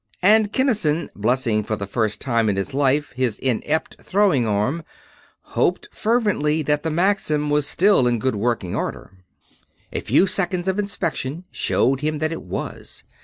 And Kinnison, blessing for the first time in his life his inept throwing arm, hoped fervently that the Maxim was still in good working order. A few seconds of inspection showed him that it was.